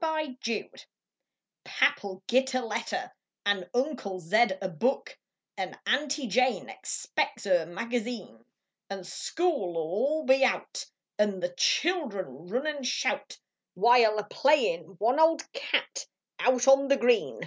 E CilTS IN Pap 11 it a letter, ml Uncle Zed a book, Xd Aunty Jane expects er magazine ; Xd school 11 all be out, Xd the children run nd shout, While a playin " one old cat " out on the green.